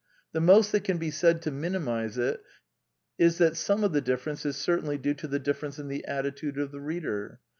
The most that can be said to mini mize it is that some of the difference is ceftainly due to the difference in the attitude of the reader.